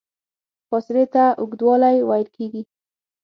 فاصلې ته اوږدوالی ویل کېږي.